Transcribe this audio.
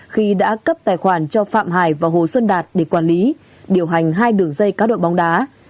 khi đã cấp tài khoản cho phạm hải và hồ xuân đạt để quản lý điều hành hai đường dây cá độ bóng đá